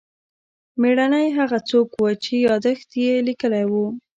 مېړنی هغه څوک و چې یادښت یې لیکلی و.